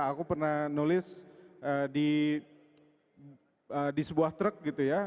aku pernah nulis di sebuah truk gitu ya